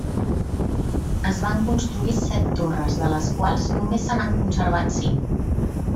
Es van construir set torres de les quals només se n'han conservat cinc.